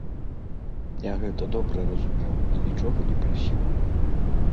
Я гэта добра разумеў і нічога не прасіў.